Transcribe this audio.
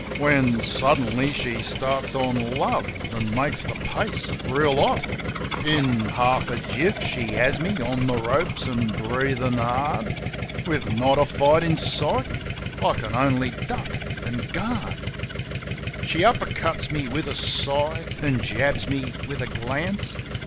When suddenly she starts on "Love," an' makes the pace reel hot. In half a jiff she has me on the ropes, an' breathin' hard. With not a fight inside me — I can only duck an' guard. She uppercuts me with a sigh, an' jabs me with a glance.